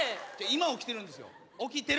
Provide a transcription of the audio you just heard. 今起きてるんですよ。